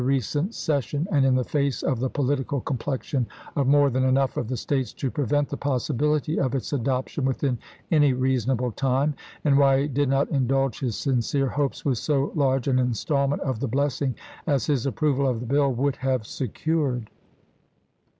recent session and in the face of the political com plexion of more than enough of the States to pre vent the possibility of its adoption within any reasonable time ; and why he did not indulge his sincere hopes with so large an installment of the blessing as his approval of the bill would have secured